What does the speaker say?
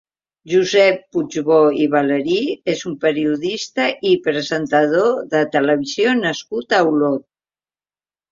Josep Puigbó i Valeri és un periodista i presentador de televisió nascut a Olot.